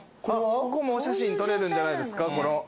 ここもお写真撮れるんじゃないですか？